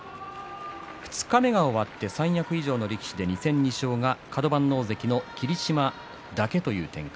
二日目が終わって三役以上の力士で２戦２勝がカド番の大関の霧島だけという展開。